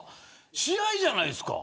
しないじゃないですか。